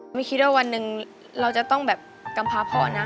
ไม่คิดว่าวันหนึ่งเราจะต้องแบบกำพาพ่อนะ